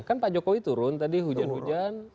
kan pak jokowi turun tadi hujan hujan